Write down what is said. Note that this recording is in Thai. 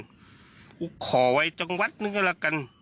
กูขอไว้จังหวัดนึงก็แล้วกัน